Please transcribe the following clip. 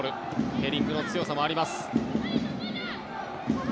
ヘディングの強さもあります。